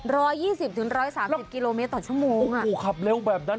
ยี่สิบถึงร้อยสามสิบกิโลเมตรต่อชั่วโมงโอ้โหขับเร็วแบบนั้น